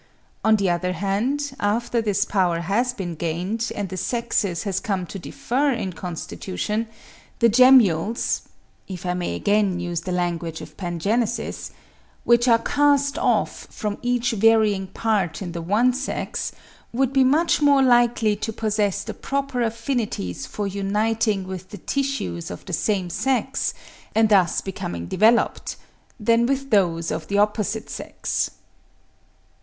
On the other hand, after this power has been gained and the sexes have come to differ in constitution, the gemmules (if I may again use the language of pangenesis) which are cast off from each varying part in the one sex would be much more likely to possess the proper affinities for uniting with the tissues of the same sex, and thus becoming developed, than with those of the opposite sex.